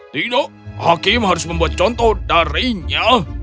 tidak hakim harus membuat contoh darinya